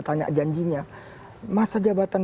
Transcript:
bertanya janjinya masa jabatan